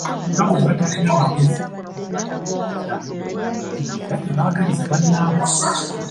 Nga bwe batalina magezi, bwe batategeera, mbu era tebaagaliza bannaabwe.